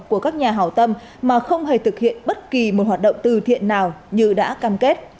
của các nhà hảo tâm mà không hề thực hiện bất kỳ một hoạt động từ thiện nào như đã cam kết